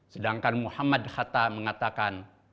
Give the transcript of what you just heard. sedangkan muhammad khattah mengatakan